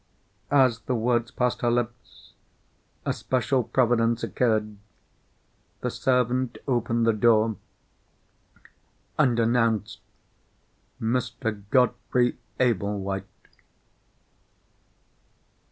As the word passed her lips, a special providence occurred. The servant opened the door, and announced Mr. Godfrey Ablewhite.